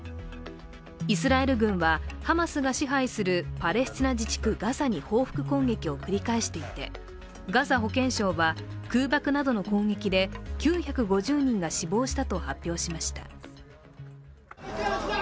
イスラエル軍はハマスが支配するパレスチナ自治区ガザに報復攻撃を繰り返していて、ガザ保健省は、空爆などの攻撃で９５０人が死亡したと発表しました。